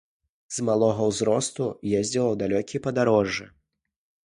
З малога ўзросту ездзіла ў далёкія падарожжы.